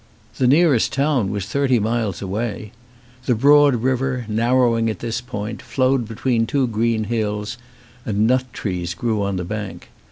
The nearest town was thirty miles away. The broad river, narrowing at this point, flowed between two green hills, and nut trees grew on the bank.